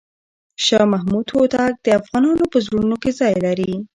شاه محمود هوتک د افغانانو په زړونو کې ځای لري.